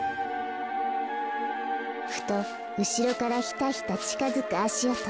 ふとうしろからヒタヒタちかづくあしおと。